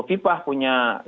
kofifah punya kekuatan